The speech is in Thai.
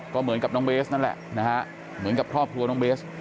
ก็เหมือนกับน้องเบสนั่นแหละนะฮะเหมือนกับครอบครัวน้องเบส